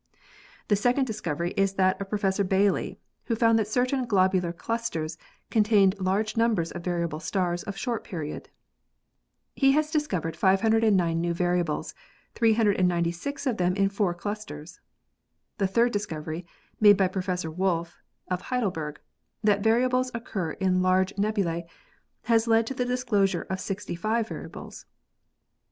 The second discovery is that of Professor Bailey, who found that certain globular clusters contain large numbers of variable stars of short period. He has discovered 509 new variables, 396 of them in four clusters. The third discovery, made by Professor Wolf, of Heidelberg, that variables occur in large nebula?, has led to his disclosure of 65 variables.